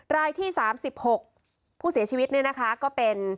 รายที่๓๖ผู้เสียชีวิตก็เป็น